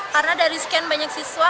karena dari sekian banyak siswa